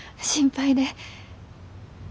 心配で。